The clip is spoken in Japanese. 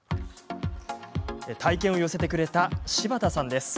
体験を寄せてくれた柴田さんです。